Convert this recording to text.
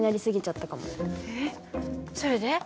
えっそれで？